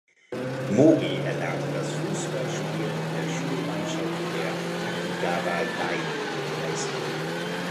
Mori erlernte das Fußballspielen in der Schulmannschaft der "Takigawa Daini High School".